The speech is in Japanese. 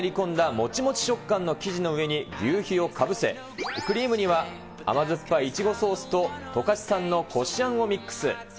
もちもち食感の生地の上に、求肥をかぶせ、クリームには甘酸っぱいイチゴソースと十勝産のこしあんをミックス。